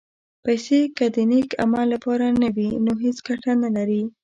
پېسې که د نېک عمل لپاره نه وي، نو هېڅ ګټه نه لري.